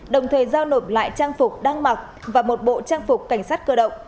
đồng thời giao nộp lại trang phục đăng mặc và một bộ trang phục cảnh sát cơ động